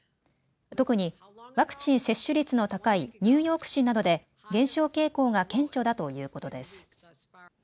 特にワクチン接種率の高いニューヨーク市などで減少傾向が顕著だということです。